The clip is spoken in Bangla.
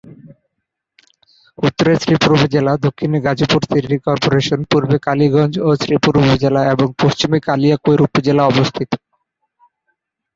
উত্তরে শ্রীপুর উপজেলা, দক্ষিণে গাজীপুর সিটি করপোরেশন, পূর্বে কালীগঞ্জ ও শ্রীপুর উপজেলা এবং পশ্চিমে কালিয়াকৈর উপজেলা অবস্থিত।